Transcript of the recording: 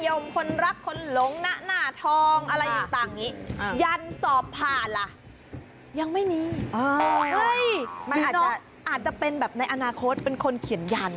เย้ยมีน้องอาจจะเป็นแบบในอนาคตเป็นคนเขียนยัน